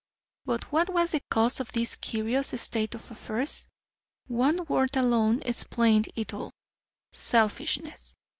But what was the cause of this curious state of affairs? One word alone explained it all Selfishness.